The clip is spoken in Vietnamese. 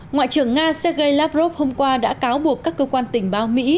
ngoại trưởng nga sergei lavrov hôm qua đã cáo buộc các cơ quan tình báo mỹ